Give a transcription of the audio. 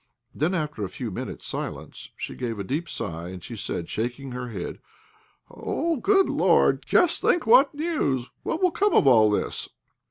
Then, after a few minutes' silence, she gave a deep sigh, and said, shaking her head "Oh! good Lord! Just think what news! What will come of all this?"